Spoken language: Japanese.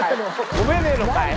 込めねえのかい！